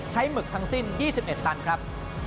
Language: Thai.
หมึกทั้งสิ้น๒๑ตันครับ